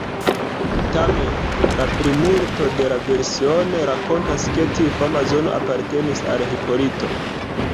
Tamen, la plimulto de la version rakontas ke tiu fama zono apartenis al Hipolito.